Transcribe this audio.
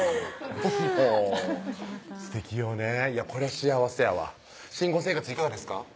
もうすてきよねこりゃ幸せやわ新婚生活いかがですか？